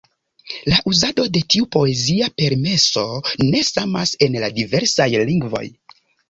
La uzado de tiu poezia permeso ne samas en la diversaj lingvoj.